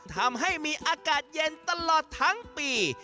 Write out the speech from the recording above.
ทำให้มีอากาศเย็นตลอดทั้งปี